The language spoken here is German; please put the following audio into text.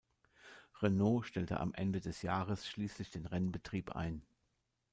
Renault stellte am Ende des Jahres schließlich den Rennbetrieb ein.